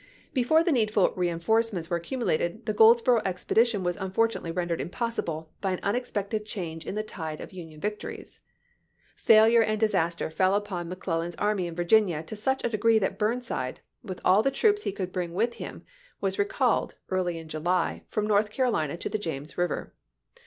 Before the needful reenforcements were accumulated the Goldsboro' expedition was unfor tunately rendered impossible by an unexpected change in the tide of Union victories. Failure and disaster fell upon McClellan's army in Virginia to such a degree that Burnside, with all the troops he could bring with him, was recalled, early in July, from North Carolina to the James River.